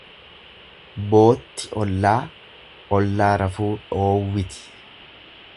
Bootti ollaa, ollaa rafuu dhoowwiti.